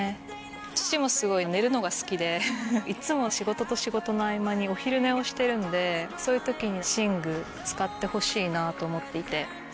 父もすごい寝るのが好きでいつも仕事と仕事の合間にお昼寝をしてるんでそういう時に寝具使ってほしいなと思っていて。